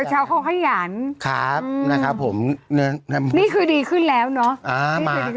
เช้าเขาขยันครับนะครับผมนี่คือดีขึ้นแล้วเนาะ